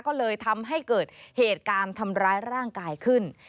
ก็เลยทำให้เกิดเหตุการณ์ทำร้ายร่างกายขึ้น